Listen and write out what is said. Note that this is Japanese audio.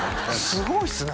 すごいっすね